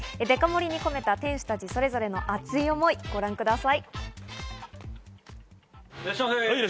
デカ盛りに込めた、店主たちのそれぞれの熱い思い、ご覧ください。